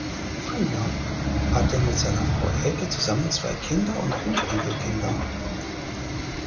Pfüller hat mit seiner Frau Elke zusammen zwei Kinder und fünf Enkelkinder.